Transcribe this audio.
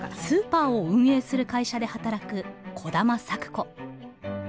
スーパーを運営する会社で働く兒玉咲子。